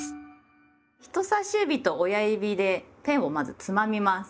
人さし指と親指でペンをまずつまみます。